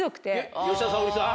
吉田沙保里さん？